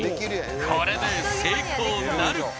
これで成功なるか？